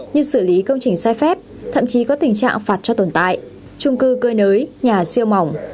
như xử lý công trình sai phép thậm chí có tình trạng phạt cho tồn tại trung cư cơi nới nhà siêu mỏng